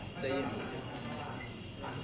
ครับท่าน